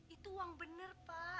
itu uang benar pak